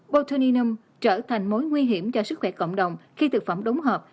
botulinum trở thành mối nguy hiểm cho sức khỏe cộng đồng khi thực phẩm đống hợp